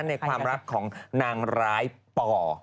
ในความรักของนางร้ายป่อ